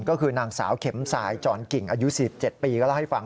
ก็คือนางสาวเข็มสายจรกิ่งอายุ๔๗ปีก็เล่าให้ฟัง